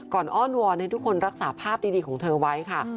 อ้อนวอนให้ทุกคนรักษาภาพดีของเธอไว้ค่ะ